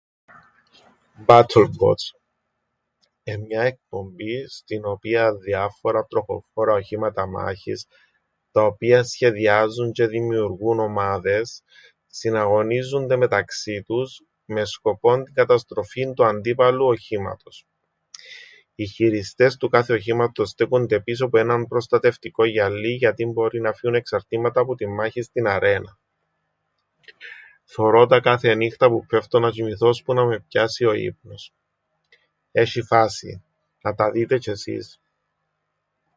BattleBots! Εν' μια εκπομπή στην οποίαν διάφορα τροχοφόρα οχήματα μάχης τα οποία σχεδιάζουν τζ̆αι δημιουργούν ομάδες συναγωνίζουνται μεταξύ τους με σκοπόν την καταστροφήν του αντίπαλου οχήματος. Οι χειριστές του κάθε οχήματος στέκουνται πίσω που έναν προστατευτικόν γυαλλίν γιατί μπορεί να φύουν εξαρτήματα που την μάχην στην αρρέναν. Θωρώ τα κάθε νύχταν που ππέφτω να τζ̆οιμηθώ ώσπου να με πιάσει ο ύπνος. Έσ̆ει φάσην. Να τα δείτε τζ̆αι εσέις.